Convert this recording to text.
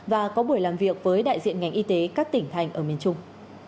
và có buổi làm việc với đại diện ngành y tế các tỉnh thành ở miền trung